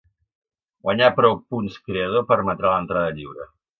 Guanyar prou Punts Creador permetrà l'entrada lliure.